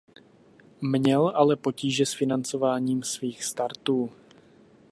Měl ale potíže s financováním svých startů.